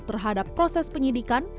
terhadap proses penyidikan